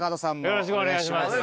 よろしくお願いします。